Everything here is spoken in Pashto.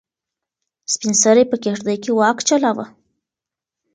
سپین سرې په کيږدۍ کې واک چلاوه.